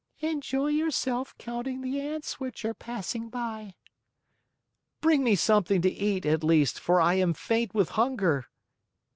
"Enjoy yourself counting the ants which are passing by." "Bring me something to eat, at least, for I am faint with hunger."